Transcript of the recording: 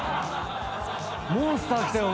モンスター来たよ。